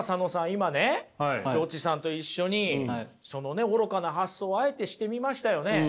今ねロッチさんと一緒に愚かな発想をあえてしてみましたよね。